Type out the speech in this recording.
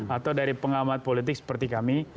atau dari pengamat politik seperti kami